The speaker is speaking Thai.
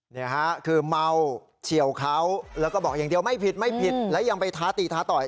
นี่ฮะคือเมาเฉียวเขาแล้วก็บอกอย่างเดียวไม่ผิดไม่ผิดและยังไปท้าตีท้าต่อย